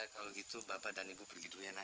kalau gitu bapak dan ibu pergi dulu ya nak